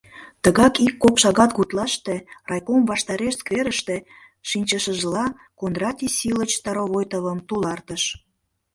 Тыгак ик-кок шагат гутлаште, райком ваштареш скверыште шинчышыжла, Кондратий Силыч Старовойтовым «тулартыш».